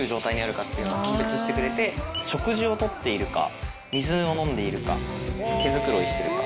食事を取っているか水を飲んでいるか毛づくろいしてるか。